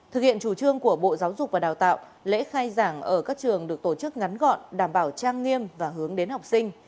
thực hiện chủ trương của bộ giáo dục và đào tạo lễ khai giảng ở các trường được tổ chức ngắn gọn đảm bảo trang nghiêm và hướng đến học sinh